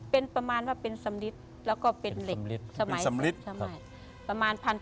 เป็นประมาณว่าเป็นสำลิดแล้วก็เป็นเหล็กสมัยสมัยประมาณ๑๓๐๐กว่าปี